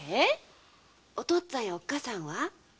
おとっつぁんやおっかさんは？